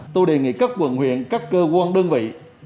tôi đề nghị các quận huyện các cơ quan đơn vị